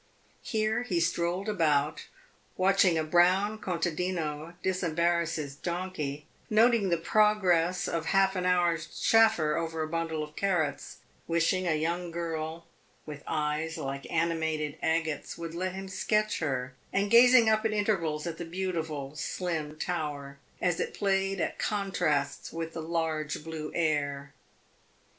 Here he strolled about, watching a brown contadino disembarrass his donkey, noting the progress of half an hour's chaffer over a bundle of carrots, wishing a young girl with eyes like animated agates would let him sketch her, and gazing up at intervals at the beautiful, slim tower, as it played at contrasts with the large blue air.